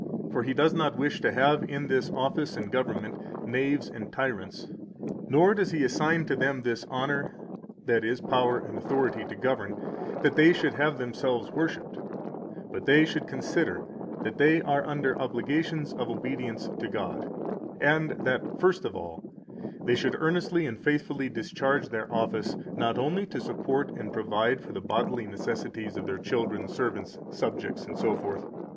168 For He does not wish to have in this office and government knaves and tyrants; nor does He assign to them this honor, that is, power and authority to govern, that they should have themselves worshiped; but they should consider that they are under obligations of obedience to God; and that, first of all, they should earnestly and faithfully discharge their office, not only to support and provide for the bodily necessities of their children, servants, subjects, etc.